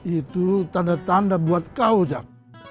itu tanda tanda buat kau jak